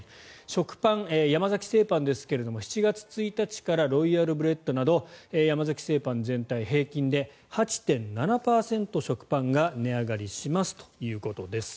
食パン、山崎製パンですが７月１日からロイヤルブレッドなど山崎製パン全体平均で８．７％食パンが値上がりしますということです。